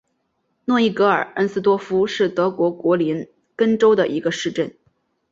诺伊格尔恩斯多夫是德国图林根州的一个市镇。